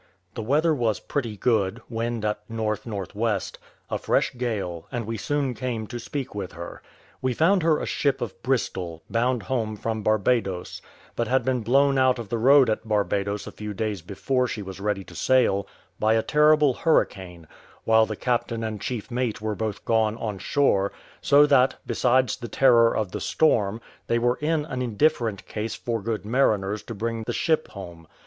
The weather was pretty good, wind at NNW. a fresh gale, and we soon came to speak with her. We found her a ship of Bristol, bound home from Barbadoes, but had been blown out of the road at Barbadoes a few days before she was ready to sail, by a terrible hurricane, while the captain and chief mate were both gone on shore; so that, besides the terror of the storm, they were in an indifferent case for good mariners to bring the ship home.